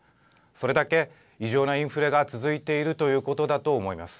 それだけ異常なインフレが続いているということだと思います。